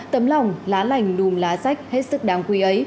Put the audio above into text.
tấm lòng lá lành lùm lá sách hết sức đáng quý ấy